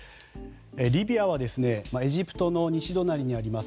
リビアはエジプトの西隣にあります